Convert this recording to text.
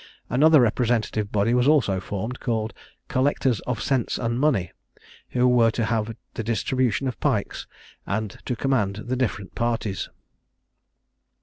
Another representative body was also formed, called "collectors of sense and money," who were to have the distribution of the pikes, and to command the different parties.